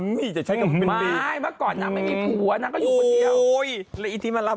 นางลักเงินเนาะเถอะเนาะ